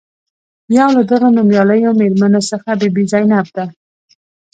یو له دغو نومیالیو میرمنو څخه بي بي زینب ده.